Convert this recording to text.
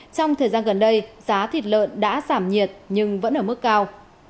trong thời gian gần đây giá thịt lợn đã giảm nhiệt nhưng vẫn ở mức cao